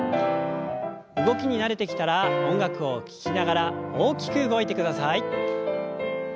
動きに慣れてきたら音楽を聞きながら大きく動いてください。